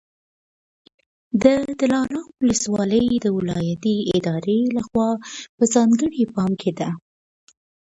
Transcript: د دلارام ولسوالي د ولایتي ادارې لخوا په ځانګړي پام کي ده.